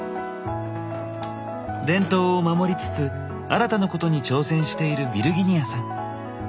伝統を守りつつ新たなことに挑戦しているヴィルギニヤさん。